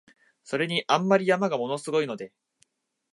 それに、あんまり山が物凄いので、